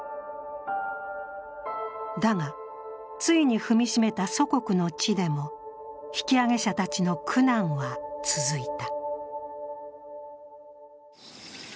だが、ついに踏み締めた祖国の地でも引揚者たちの苦難は続いた。